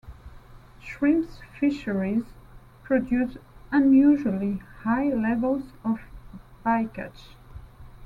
Shrimp fisheries produce unusually high levels of bycatch.